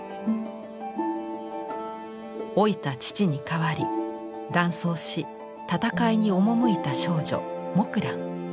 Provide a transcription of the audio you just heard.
老いた父に代わり男装し戦いに赴いた少女木蘭。